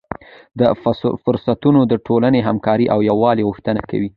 دا فرصتونه د ټولنې همکاري او یووالی غښتلی کوي.